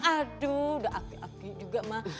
aduh udah aki aki juga mah